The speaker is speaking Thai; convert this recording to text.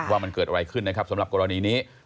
ว่ามันเกิดอะไรขึ้นนะครับสำหรับกรณีนี้